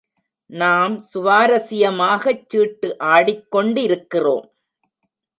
நாம் சுவாரசியமாகச் சீட்டு ஆடிக் கொண்டிருக்கிறோம்.